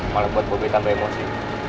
malah buat gue tambah emosi